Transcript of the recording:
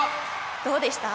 どうでした？